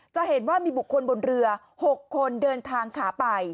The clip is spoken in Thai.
จะเห็นว่ามีบุคคลบนเรือ๖คนเดินทางขาไป